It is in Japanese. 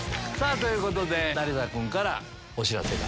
ということで成田君からお知らせが。